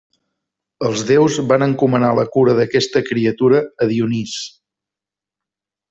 Els déus van encomanar la cura d'aquesta criatura a Dionís.